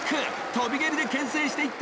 とび蹴りで牽制していった！